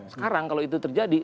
sekarang kalau itu terjadi